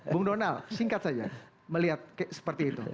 bung donald singkat saja melihat seperti itu